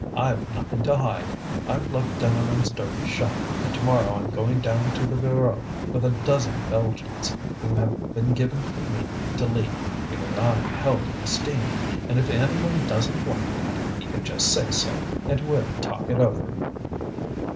"I've nothing to hide. I've left Deneulin's dirty shop, and to morrow I'm going down to the Voreux with a dozen Belgians, who have been given me to lead because I'm held in esteem; and if any one doesn't like that, he can just say so, and we'll talk it over."